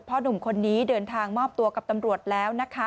หนุ่มคนนี้เดินทางมอบตัวกับตำรวจแล้วนะคะ